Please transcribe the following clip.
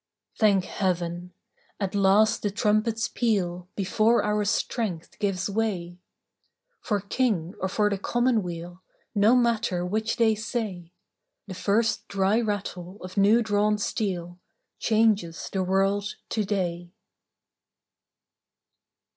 Thank Heaven ! At last the trumpets peal Before our strength gives way. For King or for the Commonweal No matter which they say, The first dry rattle of new drawn steel Changes the world to day